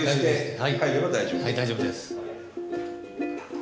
はい大丈夫です。